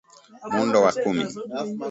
Muundo wa kumi